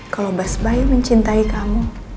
kalau mas bayu mencintai kamu